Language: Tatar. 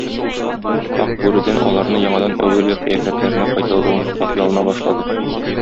Ак бүредән аларны яңадан әүвәлге кыяфәтләренә кайтаруын сорап ялына башлады.